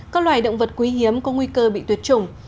các loài động vật quý hiếm có nguy cơ bị tuyệt chủng